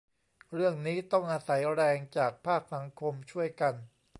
เรื่องนี้ต้องอาศัยแรงจากภาคสังคมช่วยกัน